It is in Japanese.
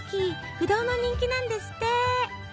不動の人気なんですって。